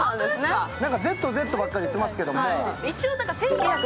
なんかＺ、Ｚばっかり言ってますけど。